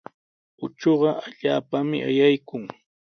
Uchuqa allaapami ayaykun.